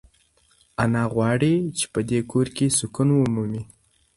انا غواړي چې په دې کور کې سکون ومومي.